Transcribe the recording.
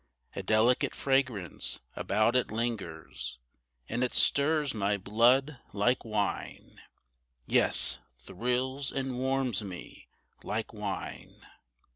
A delicate fragrance about it lingers, And it stirs my blood like wine Yes, thrills and warms me like wine.